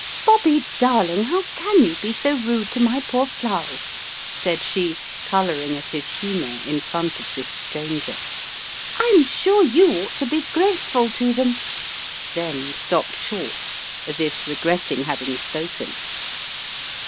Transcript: " Bobby, darling, how can you be so rude to my poor In the Doctor's Surgery 187 flowers/' said she, colouring at his humour in front of this stranger. "I'm sure you ought to be grateful to them " then stopped short as if regretting hav ing spoken.